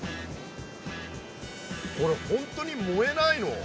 これ本当に燃えないの？